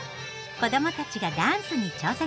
子どもたちがダンスに挑戦だ。